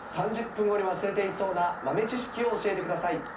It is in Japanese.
３０分後に忘れていそうな豆知識を教えてください。